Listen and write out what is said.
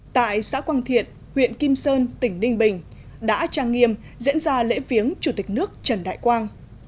tại xã quang thiện huyện kim sơn tỉnh ninh bình đã trang nghiêm diễn ra lễ viếng chủ tịch nước trần đại quang